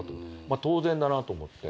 当然だなと思って。